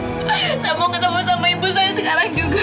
saya mau ketemu sama ibu saya sekarang juga